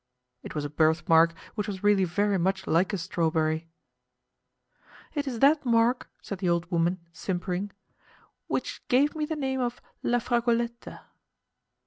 It was a birth mark which was really very much like a strawberry. "It is that mark," said the old woman, simpering, "which gave me the name of 'La Fragoletta.